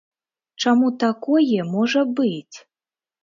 Чаму такое можа быць?